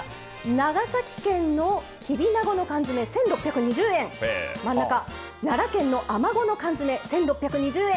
長崎県のきびなごの缶詰１６２０円真ん中、奈良県のアマゴの缶詰１６２０円。